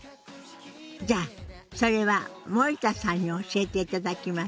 じゃあそれは森田さんに教えていただきましょうね。